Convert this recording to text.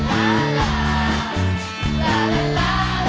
ลาลาลาลาลาลาลาลา